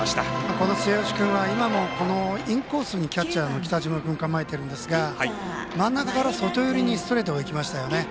この末吉君は今もインコースにキャッチャーの北島君、構えているんですが真ん中から外寄りにストレートがいきましたよね。